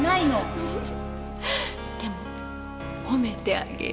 ウフフでも褒めてあげる。